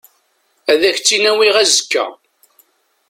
Ad ak-tt-in-awiɣ azekka.